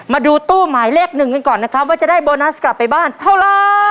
มาดูตู้หมายเลขหนึ่งกันก่อนนะครับว่าจะได้โบนัสกลับไปบ้านเท่าไร